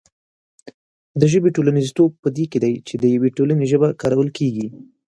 د ژبې ټولنیزتوب په دې کې دی چې د یوې ټولنې ژبه کارول کېږي.